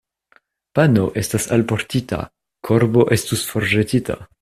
Pano estas alportita, korbo estu forĵetita.